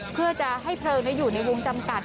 เพื่อจะให้เพลิงอยู่ในวงจำกัด